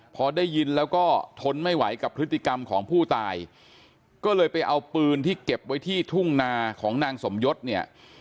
พอได้ยินแล้วก็ทนไม่ไหวกับพฤติกรรมของผู้ตายก็เลยไปเอาปืนที่เก็บไว้ที่ทุ่งนาของนางสมยศเนี่ย